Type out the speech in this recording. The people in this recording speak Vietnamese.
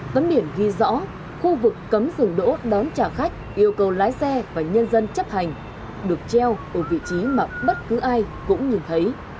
tấm biển ghi rõ khu vực cấm dừng đỗ đón trả khách yêu cầu lái xe và nhân dân chấp hành được treo ở vị trí mà bất cứ ai cũng nhìn thấy